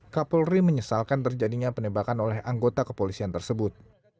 kak polri menyesalkan terjadinya penembakan oleh anggota kepolisian tersebut